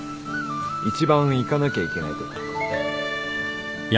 一番行かなきゃいけないとこ。